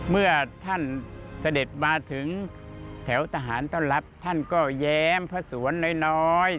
เมื่อท่านเสด็จมาถึงแถวทหารต้อนรับท่านก็แย้มพระสวนน้อย